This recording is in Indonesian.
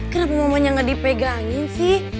kenapa momennya gak dipegangin sih